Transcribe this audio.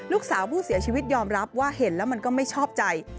ลูกสาวผู้เสียชีวิตยอมรับว่าเห็นแล้วมันก็ไม่ชอบใจ